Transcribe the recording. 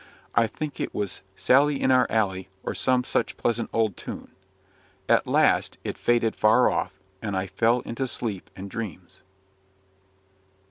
I think it was "Sally in our Alley," or some such pleasant old tune. At last it faded far off, and I fell into sleep and dreams.